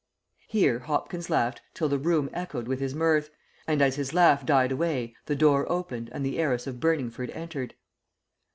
Here Hopkins laughed till the room echoed with his mirth, and as his laugh died away the door opened and the heiress of Burningford entered.